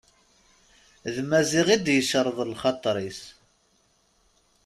D Maziɣ i d-yecreḍ lxaṭer-is.